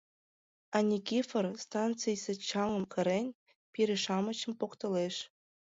А Никифор, станцийысе чаҥым кырен, пире-шамычым поктылеш.